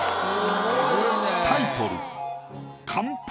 タイトル。